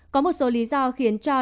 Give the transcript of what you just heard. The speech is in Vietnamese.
có một số lý do khiến cho